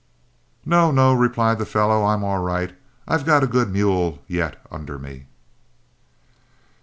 "'No, no,' replied the fellow, 'I'm all right; I've got a good mule yet under me.'"